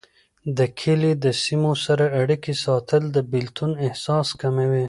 د کلي د سیمو سره اړيکې ساتل، د بیلتون احساس کموي.